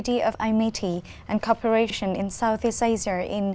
vì vậy các bạn có ý kiến về năng lực hay năng lực không